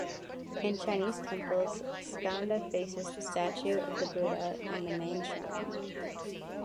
In Chinese temples, Skanda faces the statue of the Buddha in the main shrine.